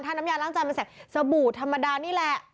ถ้าน้ำยาล้างจานมันใส่สบู่ธรรมดานี่แหละ